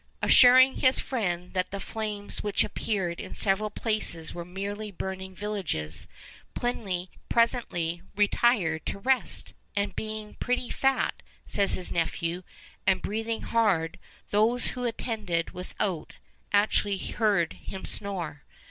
Assuring his friend that the flames which appeared in several places were merely burning villages, Pliny presently retired to rest, and 'being pretty fat,' says his nephew, 'and breathing hard, those who attended without actually heard him snore.